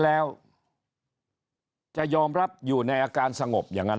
แล้วจะยอมรับอยู่ในอาการสงบอย่างนั้น